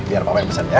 biar papa yang pesan ya